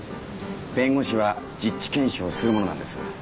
弁護士は実地検証をするものなんです。